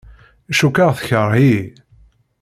Cukkeɣ tekreh-iyi.